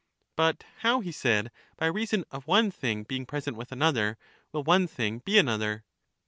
But how, he said, by reason of one thing being pres ent with another, will one thing be another?